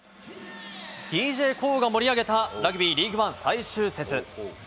ＤＪＫＯＯが盛り上げた、ラグビー・リーグワン最終節。